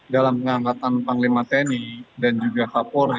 dalam pengangkatan panglima teni dan juga vapor